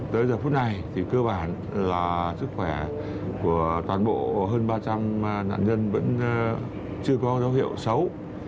tới giờ phút này thì cơ bản là sức khỏe của toàn bộ hơn ba trăm linh nạn nhân vẫn chưa có dấu hiệu xấu